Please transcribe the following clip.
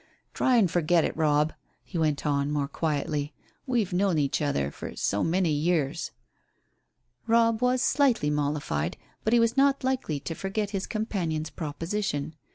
"Try and forget it, Robb," he went on, more quietly, "we've known each other for so many years." Robb was slightly mollified, but he was not likely to forget his companion's proposition.